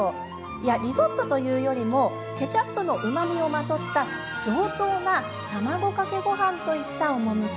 いやリゾットというよりもケチャップのうまみをまとった上等な卵かけごはんといった趣。